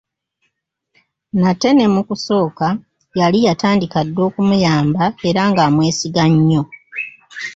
Nate ne mu kusooka yali yatandika dda okumuyamba era nga amwesiga nnyo.